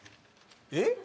えっ？